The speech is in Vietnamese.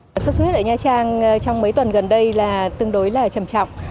sốt xuất huyết ở nha trang trong mấy tuần gần đây là tương đối là trầm trọng